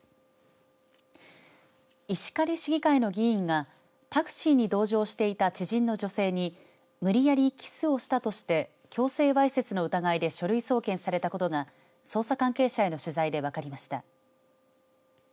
石狩市議会の議員がタクシーに同乗していた知人の女性に無理やりキスをしたとして強制わいせつの疑いで書類送検されたことが捜査関係者への取材で分かりました。